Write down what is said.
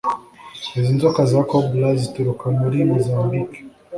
Izi nzoka za Cobra zituruka muri Mozambike